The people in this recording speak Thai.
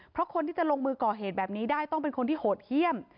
เพราะคนที่จะลงมือก่อเหตุแบบนี้ได้ต้องเป็นคนที่โหดเยี่ยม